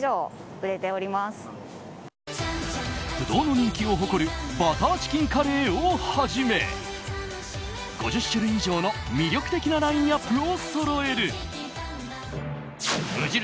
不動の人気を誇るバターチキンカレーをはじめ５０種類以上の魅力的なラインアップをそろえる無印